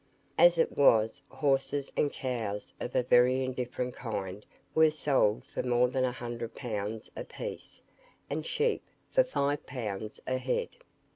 As it was, horses and cows of a very indifferent kind were sold for more than a hundred pounds a piece, and sheep for five pounds a head.